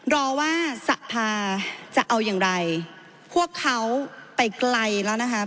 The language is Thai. รอว่าสภาจะเอาอย่างไรพวกเขาไปไกลแล้วนะคะ